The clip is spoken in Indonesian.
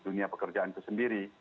dunia pekerjaan itu sendiri